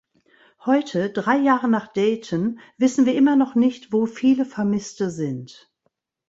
Heute, drei Jahre nach Dayton, wissen wir immer noch nicht, wo viele Vermisste sind.